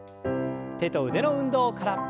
手と腕の運動から。